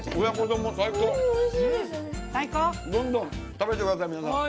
どんどん食べてください。